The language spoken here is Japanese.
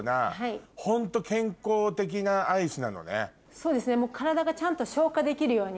そうですね。